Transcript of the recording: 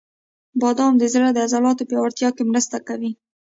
• بادام د زړه د عضلاتو پیاوړتیا کې مرسته کوي.